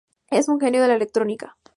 Es un genio de la electrónica.